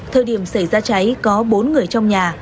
thời điểm xảy ra cháy có bốn người trong nhà